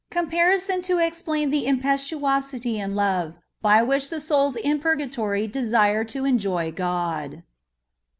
COHPARISON TO EXPLAIN THE IMPETDOSITT AND LOVE BY WHICH THE SOULS IN PUROATORT DESIRE TO ENJOT OOD.